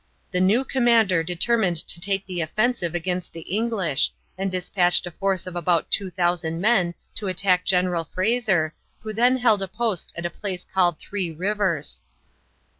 The new commander determined to take the offensive against the English, and dispatched a force of about 2000 men to attack General Fraser, who held a post at a place called Three Rivers.